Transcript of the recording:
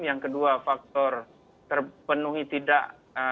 yang kedua faktor terpenuhi tidak